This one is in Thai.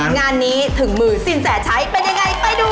งานนี้ถึงมือสินแสชัยเป็นยังไงไปดู